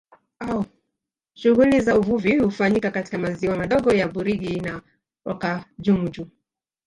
Shughuli za uvuvi hufanyika katika maziwa madogo ya Burigi na Rwakajunju